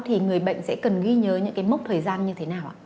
thì người bệnh sẽ cần ghi nhớ những cái mốc thời gian như thế nào ạ